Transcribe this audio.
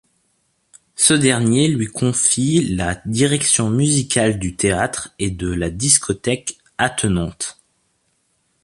Ce dernier lui confie la direction musicale du théâtre et de la discothèque attenante.